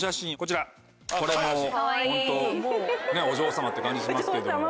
お嬢様って感じしますけど。